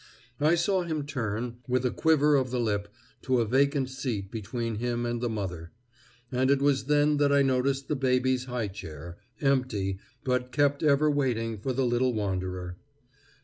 I saw him turn, with a quiver of the lip, to a vacant seat between him and the mother; and it was then that I noticed the baby's high chair, empty, but kept ever waiting for the little wanderer.